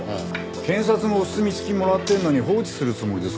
検察のお墨付きもらってるのに放置するつもりですか？